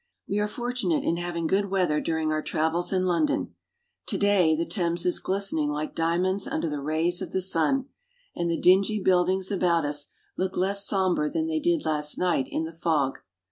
We are fortunate in having good weather during our travels in London. To day the Thames is glistening like diamonds under the rays of the sun, and the dingy build ings about us look less somber than they did last night in the fog.